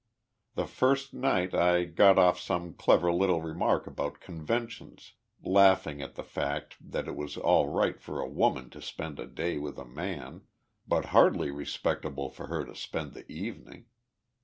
The first night I got off some clever little remark about conventions laughing at the fact that it was all right for a woman to spend a day with a man, but hardly respectable for her to spend the evening.